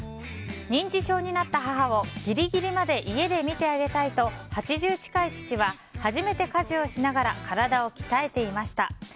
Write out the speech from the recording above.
認知症になった母をギリギリまで家で見てあげたいと８０近い父は初めて家事をしながら体を鍛えていました。